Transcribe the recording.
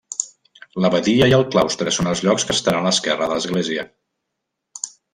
L'abadia i el claustre són els llocs que estan a l'esquerra de l'església.